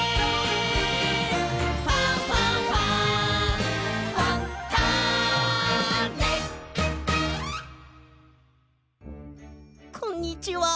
「ファンファンファン」こんにちは。